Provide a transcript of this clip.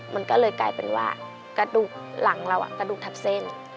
มันก็เลยกลายเป็นว่ากระดูกหลังเรากระดูกทับเส้น